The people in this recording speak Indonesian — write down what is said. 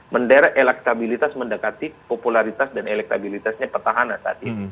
menderek elektabilitas mendekati popularitas dan elektabilitasnya petahana saat ini